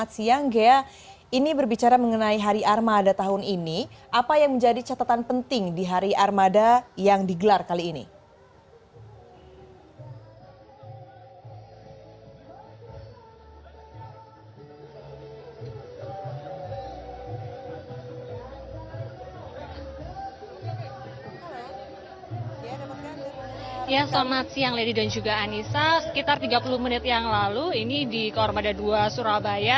sekitar tiga puluh menit yang lalu ini di koarmada ii surabaya